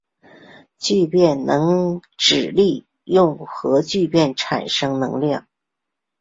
聚变能指利用核聚变产生能量。